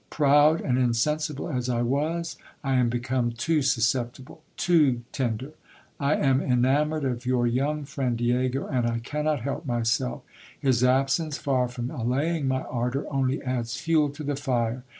Proud and insensible as I was, I am become too sus ceptible, too tender. 1 am enamoured of your young friend Diego, and I can not help myself ; his absence, far from allaying my ardour, only adds fuel to the fire.